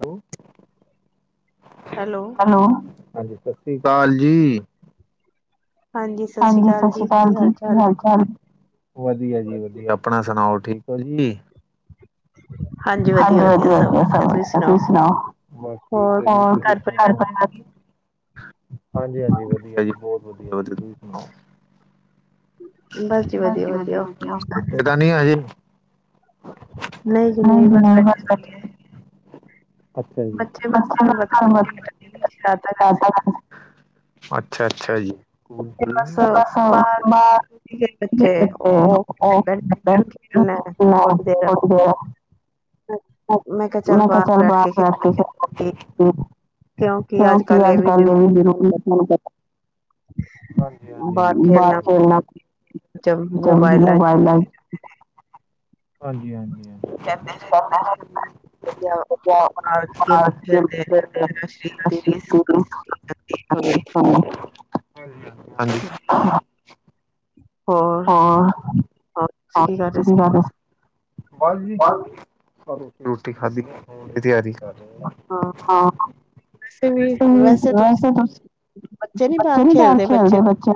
Hello, hello, hello, ਹਾਂਜੀ ਸਤਿ ਸ਼੍ਰੀ ਅਕਾਲ ਜੀ। ਹਾਂਜੀ, ਸਤਿ ਸ੍ਰੀ ਅਕਾਲ ਜੀ ਕੀ ਹਾਲ ਚਾਲ? ਵਧੀਆ ਜੀ ਵਧੀਆ ਆਪਣਾ ਸੁਣਾਓ ਠੀਕ ਓ ਜੀ? ਹਾਂਜੀ, ਵਧੀਆ ਵਧੀਆ ਸਭ ਵਧੀਆ ਤੁਸੀਂ ਸੁਣਾਓ, [unintelligible] ਘਰ ਪਰਿਵਾਰ ਹਾਂਜੀ-ਹਾਂਜੀ, ਵਧੀਆ ਜੀ ਬਹੁਤ ਵਧੀਆ-ਵਧੀਆ ਤੁਸੀਂ ਸੁਣਾਓ? ਹਾਜੀ-ਹਾਂਜੀ, ਵਧੀਆ ਵਧੀਆ, ਏ ਤਾਂ ਨੀ ਹਜੇ। ਨਹੀਂ ਜੀ ਨਹੀ, ਬਸ ਬੈਠੇ। ਅੱਛਾ ਜੀ [inaudible] ਅੱਛਾ-ਅੱਛਾ ਜੀ। ਹੂੰ ਹੂੰ, [unintelligible] [unintelligible] ਮੈਂ ਕਿਹਾ ਚੱਲ [unintelligible] ਕਿਉਂਕਿ ਅੱਜ ਕੱਲ ਇਹ ਵੀ ਜ਼ਰੂਰੀ ਬਣ ਗਿਆ। ਹਾਂਜੀ-ਹਾਂਜੀ, ਬਾਹਰ ਖੇਲਣਾ। ਮੋਬਾਈਲ [unintelligible] ਹਾਂਜੀ ਹਾਂਜੀ, [unintelligible] [unintelligible] [unintelligible] ਹਾਂਜੀ। [unintelligible] ਹੋਰ [unintelligible] ਬਸ ਜੀ ਬੱਸ ਰੋਟੀ ਖਾਧੀ ਸੌਣ ਦੀ ਤਿਆਰੀ ਕਰ ਰਹੇ। ਸਹੀ ਵੈਸੇ ਤੁਸੀਂ, ਬੱਚੇ ਨੀ ਬਾਹਰ ਖੇਲਦੇ ਬੱਚੇ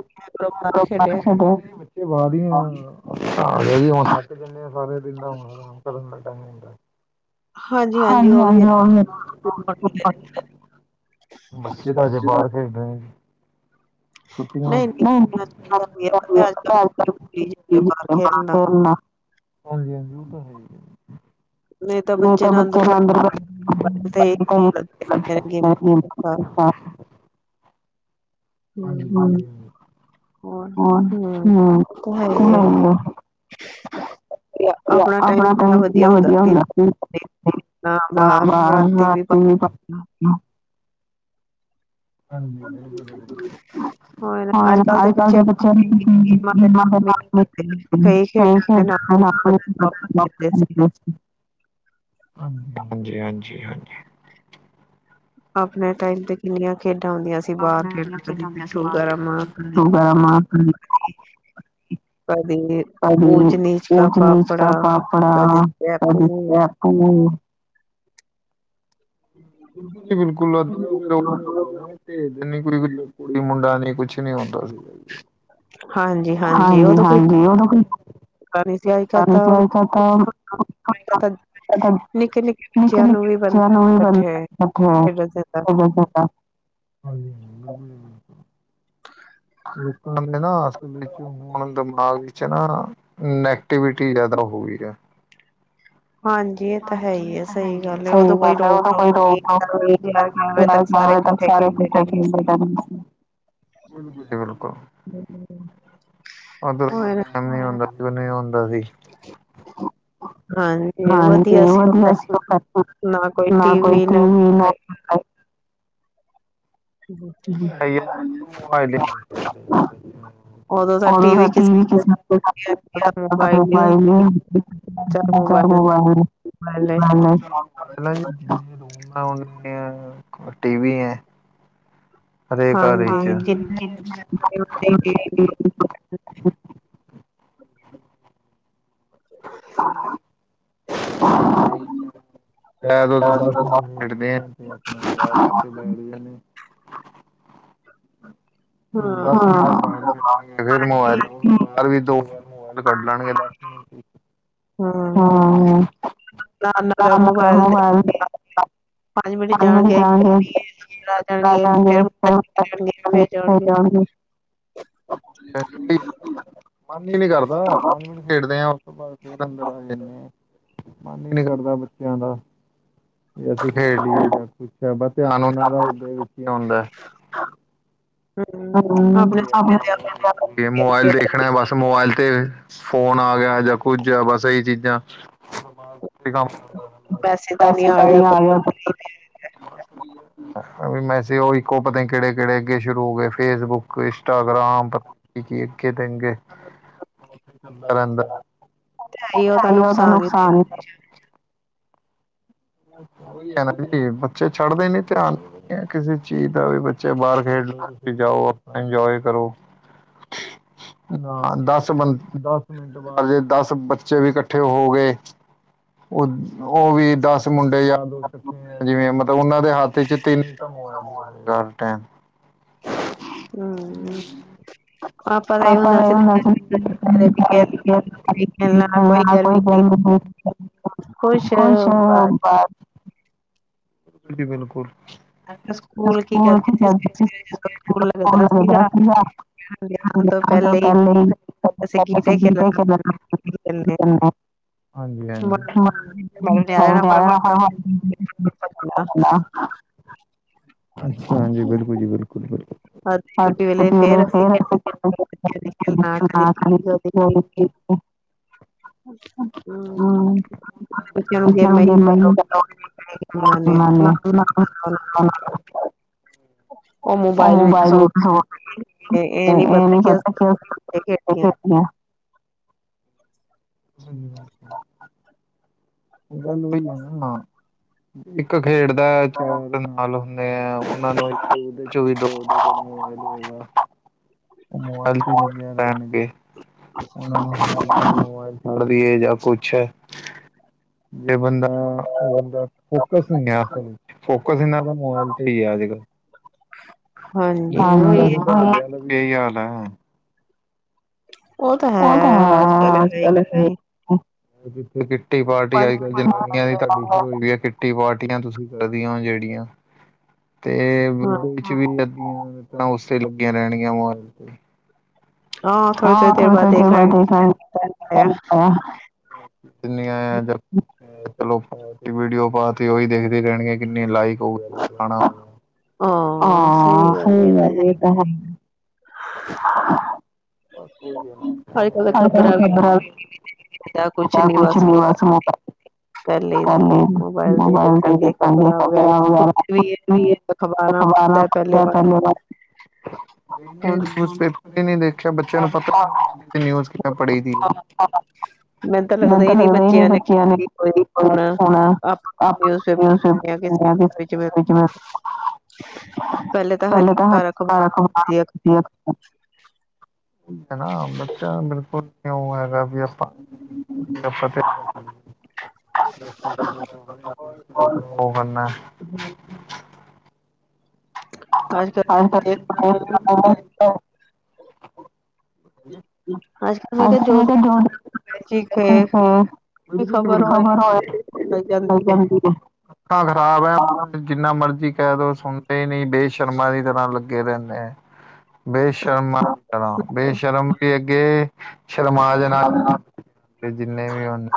[unintelligible] [unintelligible] ਹਾਂ [unintelligible] ਹਾਂਜੀ-ਹਾਂਜੀ, [unintelligible] ਬੱਚੇ ਤਾਂ ਹਜੇ ਬਾਹਰ ਖੇਡਨਗੇ। [unintelligible] ਹਾਂਜੀ-ਹਾਂਜੀ, ਉਹ ਤਾਂ ਹੈਈ। ਨਹੀਂ, ਤਾਂ ਬੱਚੇ ਨੂੰ ਅੰਦਰ [unintelligible] ਹੂੰ ਹੂੰ, ਹੂੰ-ਹੂੰ, ਹੂੰ, ਆਪਣਾ ਤਾਂ ਕਿੰਨਾ ਵਧੀਆ ਹੁੰਦਾ ਸੀ। ਹਾਂ, ਬਾਹਰ ਰਾਤੀ ਬਾ [unintelligible] ਹਾਂਜੀ-ਹਾਂਜੀ [unintelligible] ਹਾਂ, ਅੱਜ ਕੱਲ ਦੇ ਬੱਚਿਆਂ ਨੂੰ [unintelligible] ਹਾਂਜੀ-ਹਾਂਜੀ, ਹਾਂਜੀ। ਆਪਣੇ ਟਾਈਮ ਤੇ ਕਿੰਨੀਆਂ ਖੇਡਾਂ ਹੁੰਦੀਆਂ ਸੀ। ਆਪਣੇ [unintelligible] ਕਦੀ ਉਚ ਨੀਚ ਕ ਪਾਪੜਾ ਕਦੀ [unintelligible] [unintelligible] [unintelligible] [inaudible] ਮੁੰਡਾ ਨੀ ਕੁਛ ਨੀ ਹੁੰਦਾ ਸੀ ਹਾਂਜੀ, ਹਾਂਜੀ, ਉਦੋਂ ਕੋਈ [inaudible] ਨਿੱਕੇ ਨਿੱਕੇ ਬੱਚਿਆਂ ਨੂੰ ਵੀ ਹਾਂਜੀ। [inaudible] ਲੋਕਾਂ ਦੇ ਨਾ ਅਜਕਲ ਵਿੱਚ ਹੁਣ ਦਿਮਾਗ ਵਿੱਚ ਨਾ ਨੈਗੇਟਿਵਿਟੀ ਜ਼ਿਆਦਾ ਹੋ ਗਈ ਹੈ। ਹਾਂਜੀ, ਇਹ ਤਾਂ ਹੈ ਹੀ ਹੈ ਸਹੀ ਗੱਲ ਹੈ ਉਦੋਂ ਕੋਈ ਰੋਕ ਟੋਕ ਨਹੀਂ ਕਰਨਾ ਗਯਾਰਾ ਵਜੇ ਤੱਕ ਸਾਰੇ ਕੱਠੇ ਖੇਲਦੇ ਹੇਨਦੇ ਸੀ। [inaudible] ਉਦ ਨੀ ਆਂਦਾ ਸੀ, ਨੀ ਆਉਂਦਾ ਸੀ। ਹਾਂਣ [inaudible] [inaudible] [inaudible] [inaudible] ਅੱਜ ਕੱਲ ਨਾ ਜਿੰਨੇ ਰੂਮ ਐ ਓਨੇ ਟੀ ਵੀ ਐਂ। ਹਰੇਕ ਘਰ ਚ, [unintelligible] [inaudible] [inaudible] [inaudible] [unintelligible] ਮੋਬਾਇਲ ਕੱਢ ਲੈਣਗੇ ਬਾਹਰ। ਹਾਂ [unintelligible] [inaudible] [inaudible] [unintelligible] ਮਨ ਈ ਨੀ ਕਾਰਦਾ। ਮਨ ਹੀ ਨਹੀਂ ਖੇੜਦੇ ਆਂ ਓਸ ਤੋਂ ਬਾਦ ਫੇਰ ਅੰਦਰ ਆ ਜਾਂਦੇ ਨੇ, ਮਨ ਈ ਨੀ ਕਾਰਦਾ ਬੱਚੇਆਂ ਦਾ। [unintelligible] ਸਾਰਾ ਧਿਆਨ ਓਨਾਂ ਦਾ ਇਦੇ ਵਿੱਚ ਈ ਹੁੰਦਾ। ਮੋਬਾਇਲ ਦੇਖਣਾ ਬਸ ਮੋਬਾਇਲ ਤੇ ਫੋਨ ਆ ਗਿਆ ਜਾਂ ਕੁੱਝ ਆ ਬਸ ਇਹੀ ਚੀਜ਼ਾਂ ਕੰ ਪੈਸੇ ਤਾਂ ਨਹੀ ਆ ਗਿਆ ਵੀ ਐਮਐਸਜੀ ਉਹ ਇੱਕੋ ਪਤਾ ਕਿਹੜੇ ਕਿਹੜੇ ਅੱਗੇ ਸ਼ੁਰੂ ਹੋ ਗਏ ਫ ਫੇਸਬੁੱਕ ਇੰਟਾਗ੍ਰਾਮ ਪਤੀ ਕੀ ਅੱਗੇ ਦਗੇ ਰਹਦਾ ਉਹਦਾ ਨੁਕਸਾਨ ਹੀ ਬੱਚੇ ਛੱਡਦੇ ਨੀ ਧਿਆਨ ਕਿਸੇ ਚੀਜ਼ ਦਾ ਵੀ ਬੱਚੇ ਬਾਹਰ ਖੇਡਣਾ ਜਾਓ ਆਪ ਇੰਜੋਏ ਕਰੋ। ਨਾ ਦਸ ਬੰ ਦਸ ਮਿੰਟ ਬਾਅਦ ਜ ਦਸ ਬੱਚੇ ਵੀ ਇਕਠੇ ਇਕੱਠੇ ਹੋ ਗਏ ਉਹ ਉਹ ਵੀ ਦਸ ਮੁੰਡੇ ਜਾਂ ਦੋ ਜਿਵੇਂ ਮਤਲਬ ਉਹਨਾਂ ਦੇ ਹੱਥ ਚ ਤਿੰਨ ਟਮ ਹਮ ਆਪਾਂ ਤਾਂ ਇਹ ਹੁੰਦਾ ਸੀ ਕੋਈ ਗਰਮ ਨਹੀਂ [inaudible] ਕੁਛ ਬੈ [inaudible] ਜੀ ਬਿਲਕੁੱਲ। ਹੋਰ ਕੀ ਕਰਦੇ ਪਏ ਸੀ [unintelligible] ਦੱਸ ਹਜਾਰ [inaudible] ਹਾਂਜੀ ਹਾਂਜੀਣਾ [inaudible] ਅੱਛਾ ਹਾਂਜੀ ਬਿਲਕੁਲ ਜੀ ਬਿਲਕੁਲ ਬਿਲਕੁਲ ਛੁੱਟੀ ਵੇਲੇ ਫਰ ਹਮ ਮ [inaudible] ਉਹ ਮੋਬਾਇਲ ਇਹ ਨੀ ਪਤਾ [inaudible] ਗੱਲ ਉਹੀ ਆ ਨਾ ਇੱਕ ਖੇਡ ਦਾ ਚਾਰ ਨਾਲ ਹੁੰਦੇ ਆ ਉਹਨਾਂ ਨੂੰ ਇੱਕਦੇ ਚ ਵੀ ਦੋ ਮੋਬਾਈਲ ਖੋਲਦੇ ਰਹਿਣਗੇ ਉਹਨਾਂ ਨੂੰ ਮੋਬਾਈਲ ਮੋਢ ਦੀਏ ਜਾਂ ਕੁਛ ਜੇ ਬੰਦ ਫੋਕਸ ਨਹੀਂ ਹੈ। ਫੋਕਸ ਇਹਨਾਂ ਮੋਬਾਇਲ ਤੇ ਹੀ ਆ ਅੱਜ ਕੱਲ ਇਹੀ ਆਲ ਹੈ। ਉਹ ਤਾਂ ਹਾਂ ਅੱਜ ਕੱਲ ਜਿੱਥੇ ਕਿੱਟੀ ਪਾਰਟੀ ਕੋਈ ਜਨਾਨੀਆਂ ਆਈ ਕਿੱਟੀ ਪਾਰਟੀਆਂ ਤੁਸੀਂ ਕਰਦੀ ਹੋ ਜਿਹੜੀਆਂ ਤੇ ਵੀ ਉਸਤੇ ਲੱਗੀਆਂ ਰਹਿਣਗੀਆਂ ਮੋਲ ਤੇ ਹਾਂ ਥੋੜੀ ਥੋੜੀ ਦੇਰ ਬਾਅਦ ਦੇਖ [inaudible] ਚਲੋ ਫੋਨ ਚ ਵੀਡੀਓ ਪਾਤੀ ਉਹੀ ਦੇਖਦੀ ਰਹਿਣਗੇ ਕਿੰਨੀ ਲਾਈਕ ਹਾਂ ਸਹੀ ਗੱਲ ਇਹ ਤਾਂ ਹੈ। [inaudible] ਕੁਛ ਨਵਾ ਕਰਨੇ ਮੋਬਾਇਲ ਦੇ ਕੇ ਖ਼ਬਰਾਂ ਵਗੈਰਾ ਕੁ ਵੀ ਅਖ਼ਬਾਰਾਂ ਖੜਦਾ ਪਹਿਲੇ ਵਾਰ [inaudible] ਨਿਊਜ਼ ਪੇਪਰ ਹੀ ਨਹੀਂ ਦੇਖਿਆ ਬੱਚਿਆਂ ਨੂੰ ਪਤਾ ਨਿਊਜ਼ ਕਿਦਾ ਪੜੀ ਦੀ ਮੈਨੂੰ ਤਾਂ ਲੱਗਦਾ ਹੀ ਨੀ ਬੱਚਿਆਂ ਨੇ ਹੋਣਾ ਆਪ [unintelligible] ਪਹਿਲੇ ਤਾਂ ਹੱਥ ਕਾਲਾ ਵਧੀਆ ਠੀਕ ਹੈ ਨਾ ਬੱਚਾ ਬਿਲਕੁਲ ਕਿਉਂ ਹੈਗਾ ਬੀ ਆਪਾਂ ਨਫ਼ਰਤੇ [unintelligible] [unintelligible] ਮੈਂ ਕਿਹਾ ਜੋਉ ਇਹ ਜੀ ਹੋਰ [unintelligible] ਖਬਰ ਹੋਇਆ ਲੱਗਦਾ ਮੈਨੂੰ ਤੇ ਤਾਂ ਖ਼ਰਾਬ ਐ ਜਿੰਨਾ ਮਰਜ਼ੀ ਕਹਿ ਦੋ ਸੁਣਦੇ ਹੀ ਨਹੀਂ ਬੇਸ਼ਰਮਾ ਦੀ ਤਰ੍ਹਾਂ ਲੱਗੇ ਰਹਿੰਦੇ ਹੈ ਬੇਸ਼ਰਮ ਦੀ ਤਰਾਂ ਬੇਸ਼ਰਮ ਵੀ ਅੱਗੇ ਸ਼ਰਮਾ ਜੇ ਨਾਲ ਫਿਰ ਜਿੰਨੇ ਵੀ ਹਨ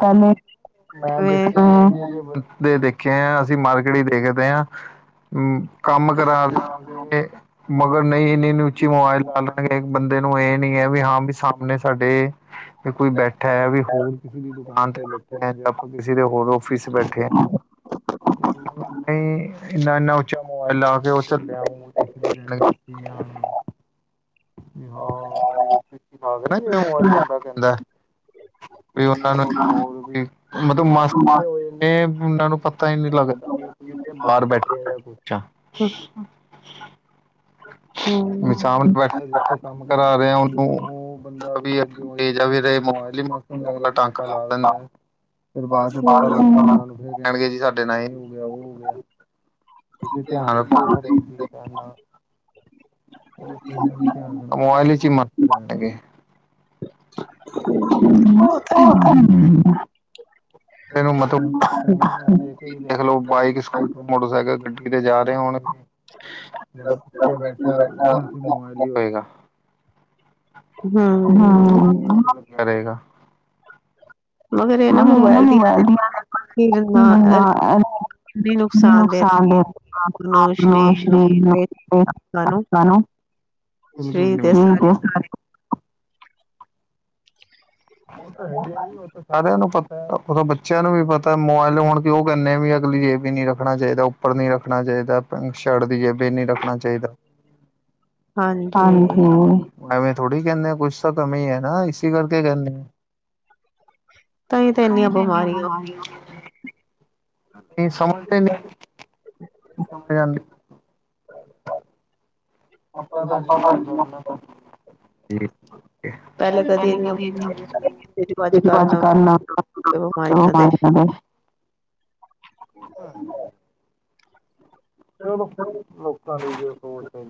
ਪਹਿਲੇ ਮੈਂ ਦੇਖਨਾ ਬੰਦੇ ਦੇਖੇ ਆ ਅਸੀਂ ਮਾਰਕੀਟ ਚ ਦੇਖਦੇ ਹਾਂ ਹੂ ਕੰਮ ਕਰਾ ਕਰਾ ਮਗਰ ਨਹੀਂ ਇੰਨੀ ਉੱਚੀ ਮੋਬਾਇਲ ਲਾ ਲਾਂਗੇ ਬੰਦੇ ਨੂੰ ਇਹ ਨੀ ਹੈ ਵੀ ਹਾਂ ਵੀ ਸਾਹਮਣੇ ਸਾਡੇ ਵੀ ਕੋਈ ਬੈਠਾ ਹੈ ਵੀ ਹੋਰ ਕਿਸੇ ਦੀ ਦੁਕਾਨ ਤੇ ਬੈਠੇ ਹੈ ਜਾਂ ਕੋਈ ਕਿਸੇ ਦੇ ਹੋਰ ਆਫਿਸ ਚ ਬੈਠੇ ਆ। ਨਹੀਂ ਇੰਨਾ ਇੰਨਾ ਉੱਚਾ ਮੋਬਾਇਲ ਲਾ ਕੇ ਉਹ ਚੱਲਿਆ [unintelligible] ਹਾਂ [unintelligible] ਪੈਂਦਾ ਵੀ ਉਹਨਾਂ ਨੂੰ ਬੋਲ ਕੇ ਮਤਲਬ ਮਾਸਕ ਪਾਏ ਹੋਏ ਨੇ ਉਹਨਾਂ ਨੂੰ ਪਤਾ ਹੀ ਨਹੀਂ ਲੱਗਦਾ ਮੈਂ ਕਿਹਾ ਬਾਹਰ ਬੈਠੇ ਹੈਂ ਪੁਛਾਂ ਸ਼ਾਮ ਚ ਬੈਠੇ ਬੈਠੇ ਕੰਮ ਕਰਾ ਰਿਹਾ ਉਹਨੂੰ ਉਹ ਬੰਦਾ ਵੀ ਅ ਏਜ ਆ ਵੀ ਰਹੇ ਮੋਬਾਇਲ ਹਿਲੀ ਮੌਸਮ ਤੇ ਅਗਲਾ ਟਾਂਕਾ ਲਾ ਲੈਂਦਾ ਫਿਰ ਬਾਅਦ ਚ [unintelligible] ਫਿਰ ਕਹਿਣਗੇ ਜੀ ਸਾਡੇ ਨਾਲ ਇਹ ਹੋ ਗਿਆ ਉਹ ਹੋ ਗਿਆ ਦੇ ਧਿਆਨ [unintelligible] [unintelligible] ਆ ਮੋਬਾਇਲ ਚ ਮ [unintelligible] ਪਟ ਗੇ [unintelligible] ਇਹਨੂੰ ਮਤਲਬ [unintelligible] ਦੇਖਲੋ ਬਾਈਕ ਸਕੂਟਰ ਮੋਟਰਸਾਈਕਲ ਗੱਡੀ ਤੇ ਜਾ ਰਹੇ ਹੋਣ ਜਿਹੜਾ ਪਿਛਲਾ ਬੈਠਾ ਹੈ [unintelligible] ਮੋਬਾਈਲ ਹੀ ਹੋਏਗਾ ਹਾਂ ਕਰੇਗਾ ਮਗਰ ਏਨਾ ਮੋਬਾਇਲ ਦੀਆਂ [unintelligible] ਨੁਕਸਾਨ ਦੇ ਆਪ ਨੂੰ ਸਰੀਰ ਨੂੰ [unintelligible] ਲੋਕਾਂ ਨੂੰ ਬਿਲਕੁਲ ਠੀਕ ਹੈ ਸਾਰੀ ਉਹ ਤਾਂ ਹੈ ਸਾਰਿਆਂ ਨੂੰ ਪਤਾ ਉਹ ਤਾਂ ਬੱਚਿਆਂ ਨੂੰ ਵੀ ਪਤਾ ਮੋਬਾਇਲ ਨੂੰ ਹੁਣ ਕਿਉਂ ਕਹਿੰਨੇ ਵੀ ਅਗਲੀ ਜੇਬ ਵਿੱਚ ਨੀ ਰੱਖਣਾ ਚਾਹੀਦਾ, ਉੱਪਰ ਨੀ ਰੱਖਣਾ ਚਾਹੀਦਾ। ਸ਼ਰਟ ਦੀ ਜੇਬ ਚ ਨਹੀਂ ਰੱਖਣਾ ਚਾਹੀਦਾ। ਹਾਂਜੀ, ਐਵੇਂ ਥੋੜ੍ਹੀ ਕਹਿੰਦੇ ਆ ਕੁਛ ਤਾਂ ਕਮੀਂ ਹੈ ਨਾ ਇਸ ਕਰਕੇ ਕਹਿੰਦੇ ਆ। ਤਾਹੀਂ ਤਾਂ ਇੰਨੀਆਂ ਬਿਮਾਰੀਆਂ ਨਹੀਂ ਸਮਝਦੇ ਨਹੀਂ ਮੁੰਡਿਆਂ ਲਈ ਆਪਾਂ ਤਾਂ [unintelligible] ਪਹਿਲੇ ਤੇ [unintelligible] ਅੱਜ ਕੱਲ ਨਾ ਤੇ ਬਿਮਾਰੀਆਂ ਦੇ ਹੂ ਚਲੋ ਕੋਈ ਨੀ ਲੋਕਾਂ ਦੀ ਜੋ ਸੋਚ ਹੈ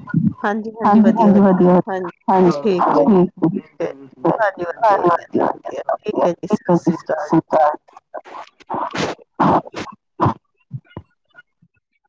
[unintelligible] ਹਾਂਜੀ ਹਾਂਜੀ ਵਧੀਆ ਵਧੀਆ ਹਾਂਜੀ ਠੀਕ ਹੈ ਜੀ ਫਿਰ ਹਾਂਜੀ, ਵਧੀਆ-ਵਧੀਆ ਸਭ ਵਧੀਆ ਠੀਕ ਹੈ, ਜੀ ਸਤਿ ਸ੍ਰੀ ਅਕਾਲ ਜੀ। ਕਾ [unintelligible]